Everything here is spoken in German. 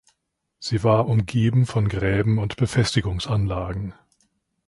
Sie war umgeben von Gräben und Befestigungsanlagen.